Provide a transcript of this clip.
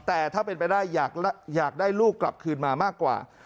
แต่ถ้าเป็นไปได้อยากได้ลูกกลับคืนมามากกว่า